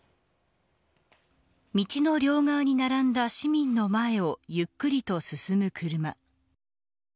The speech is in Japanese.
道の両側に並んだ市民の前をゆっくりと進む車。